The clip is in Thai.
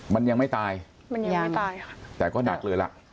มันยังไม่ตายมันยังไม่ตายค่ะแต่ก็หนักเลยล่ะ